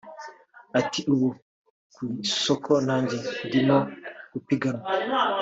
Ati “Ubu ku isoko nanjye ndimo gupiganwa